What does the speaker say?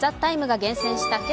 「ＴＨＥＴＩＭＥ，」が厳選した